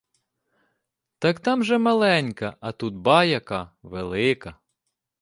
Так там же маленька, а тут ба' яка велика.